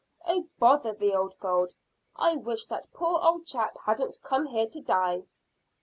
Oh, bother the old gold! I wish that poor old chap hadn't come here to die."